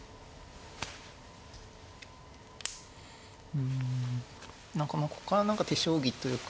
うん何かまあこっから手将棋というか。